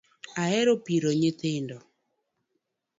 Ahero piro nyithindo